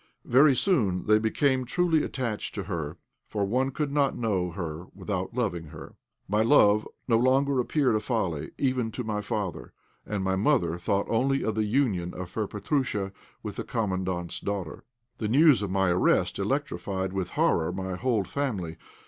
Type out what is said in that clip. Very soon they became truly attached to her, for one could not know her without loving her. My love no longer appeared a folly even to my father, and my mother thought only of the union of her Petrúsha with the Commandant's daughter. The news of my arrest electrified with horror my whole family.